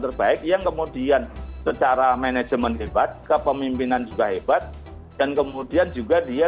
terbaik yang kemudian secara manajemen hebat kepemimpinan juga hebat dan kemudian juga dia